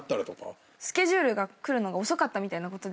スケジュールが来るのが遅かったみたいなことですよね。